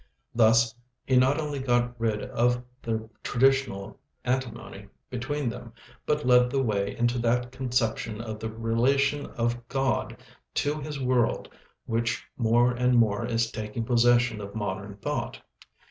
Thus he not only got rid of the traditional antinomy between them, but led the way into that conception of the relation of God to his world which more and more is taking possession of modern thought.